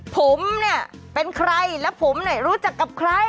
ผมเป็นใครแล้วผมรู้จักกับใคร